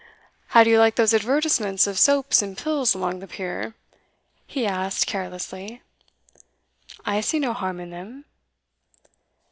'How do you like those advertisements of soaps and pills along the pier?' he asked carelessly. 'I see no harm in them.